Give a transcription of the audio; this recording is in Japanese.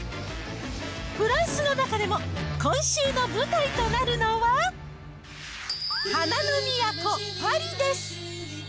フランスの中でも、今週の舞台となるのは、花の都パリです。